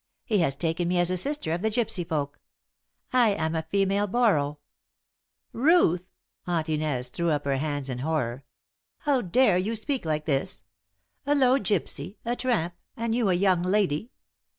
He has taken me as a sister of the gypsy folk. I am a female Borrow." "Ruth!" Aunt Inez threw up her hands in horror. "How dare you speak like this? A low gypsy a tramp and you a young lady!